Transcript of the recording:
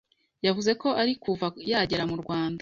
yavuze ko ari kuva yagera mu Rwanda